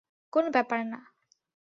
কোন ব্যাপার না।